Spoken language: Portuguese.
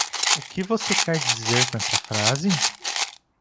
O que você quer dizer com essa frase?